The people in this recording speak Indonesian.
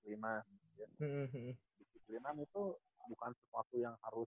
disiplinan itu bukan sesuatu yang harus